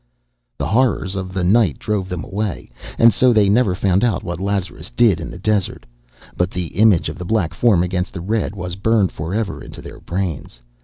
The horrors of the night drove them away, and so they never found out what Lazarus did in the desert; but the image of the black form against the red was burned forever into their brains.